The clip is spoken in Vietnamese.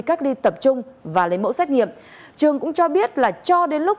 cách ly tập trung và lấy mẫu xét nghiệm trường cũng cho biết là cho đến lúc